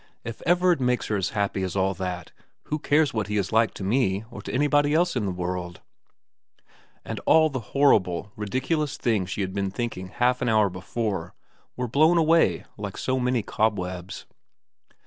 If Everard makes her as happy as all that, who cares what he is like to me or to anybody else in the world ?' And all the horrible, ridiculous things she had been 335 336 VERA XXX thinking half an hour before were blown away like so many cobwebs.